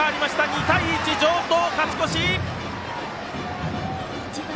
２対１、城東が勝ち越し！